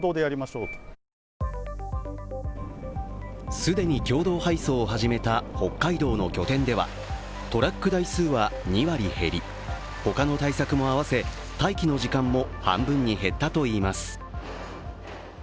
既に共同配送を始めた北海道の拠点ではトラック台数は２割減り、他の対策も合わせ待機の時間も半分に減ったといいます。